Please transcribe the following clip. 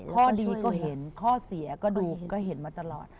ข้อดีก็เห็นข้อเสียก็ดูก็เห็นมาตลอด